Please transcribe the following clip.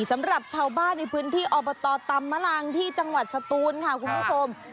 สำหรับชาวบ้านในพื้นที่อบตตำมะลังที่จังหวัดสตูนค่ะคุณผู้ชม